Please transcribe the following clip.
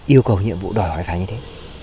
yêu cầu nhiệm vụ đòi hỏi phá như thế